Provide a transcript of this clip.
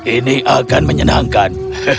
ini akan menyenangkan